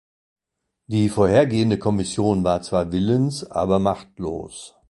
Die vorhergehende Kommission war zwar willens, aber machtlos.